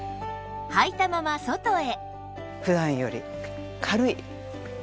はいたまま外へ